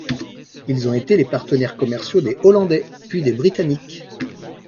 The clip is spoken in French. Ils ont été les partenaires commerciaux des Hollandais puis des Britanniques.